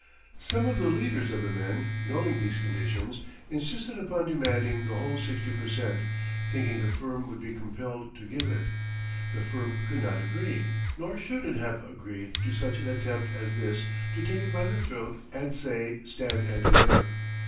Some of the leaders of the men, knowing these conditions, insisted upon demanding the whole sixty per cent, thinking the firm would be compelled to give it. The firm could not agree, nor should it have agreed to such an attempt as this to take it by the throat and say, "Stand and deliver."